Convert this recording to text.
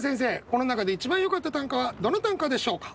この中で一番よかった短歌はどの短歌でしょうか？